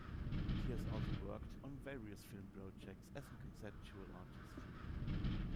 He has also worked on various film projects as a conceptual artist.